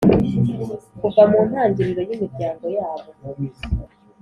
kuva mu ntangiriro y’imiryango yabo.